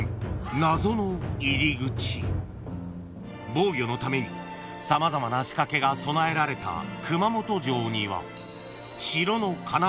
［防御のために様々な仕掛けが備えられた熊本城には］